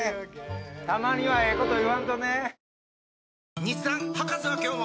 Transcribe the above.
たまにはええこと言わんとね。